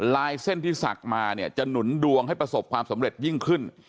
ลายเส้นที่ศักดิ์มาเนี่ยจะหนุนดวงให้ประสบความสำเร็จยิ่งขึ้น